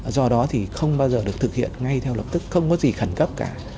do đó thì không bao giờ được thực hiện ngay theo lập tức không có gì khẩn cấp cả